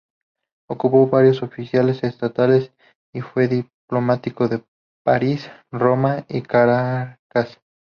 Ocupó varias oficinas estatales y fue diplomático en París, Roma y Caracas.